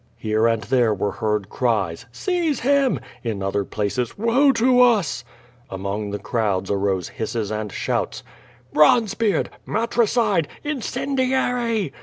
Here and there were heard cries "Seize him!" in other places '^oe to us!" Among the crowds arose hisses and QUO VADI8. 457 shouts: "Bronzebeard ! matricide! incendiary!"